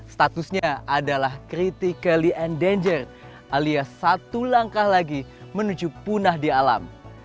statusnya adalah critically and danger alias satu langkah lagi menuju punah di alam